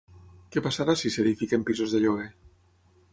Què passarà si s'edifiquen pisos de lloguer?